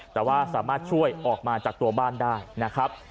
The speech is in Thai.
แต่ว่าสามารถช่วยออกมาจากตัวบ้านได้นะครับ